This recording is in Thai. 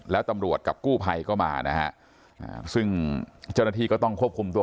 แล้วตำรวจกับกู้ภัยก็มานะฮะซึ่งเจ้าหน้าที่ก็ต้องควบคุมตัว